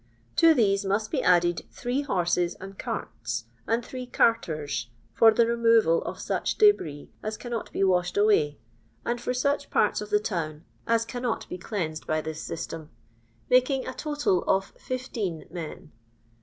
To these must be added three horses and carts, and three carters, for the removal of such dibrit as cannot be washed away and for such parts of the town as cannot be cleansed by this system, making a total of fifteen men.